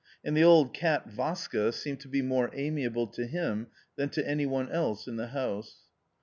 And the old cat, Vaska, seemed to be more amiable to him than to any one else in the house.